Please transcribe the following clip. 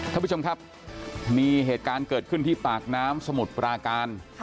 ท่านผู้ชมครับมีเหตุการณ์เกิดขึ้นที่ปากน้ำสมุทรปราการ